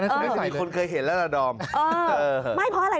นั้นคือไม่ใส่คนเคยเห็นแล้วล่ะดอมเออไม่เพราะอะไร